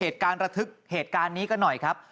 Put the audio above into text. เหตุการณ์นี้ก็หน่อยครับ